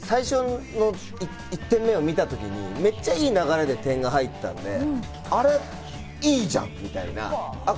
最初の１点目を見た時にめっちゃいい流れで点が入ったので、あれいいじゃんみたいな。